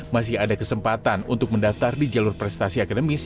masih ada kesempatan untuk mendaftar di jalur prestasi akademis